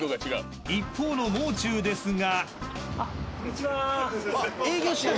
［一方のもう中ですが］